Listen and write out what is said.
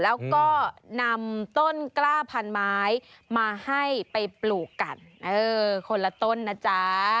แล้วก็นำต้นกล้าพันไม้มาให้ไปปลูกกันเออคนละต้นนะจ๊ะ